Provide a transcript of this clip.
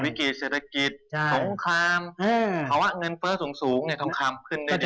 วิกฤติเศรษฐกิจสงครามภาวะเงินเฟ้อสูงทองคำขึ้นได้ดี